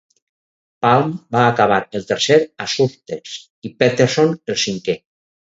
Palm va acabar el tercer a Surtees i Peterson el cinquè.